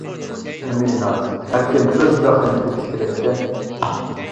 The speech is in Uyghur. نېمە ئىلاج؟ ھەركىم ئۆز بەختىنى تېپىش كېرەك-دە!